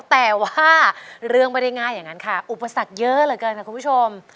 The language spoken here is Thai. แต่ว่าเรื่องไม่ได้ง่ายอย่างนั้นค่ะอุปสรรคเยอะเหลือเกินค่ะคุณผู้ชม